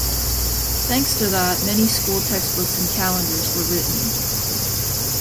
Thanks to that many school textbooks and calendars were written.